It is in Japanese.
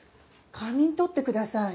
仮眠取ってください。